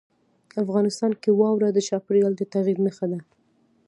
افغانستان کې واوره د چاپېریال د تغیر نښه ده.